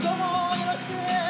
よろしく！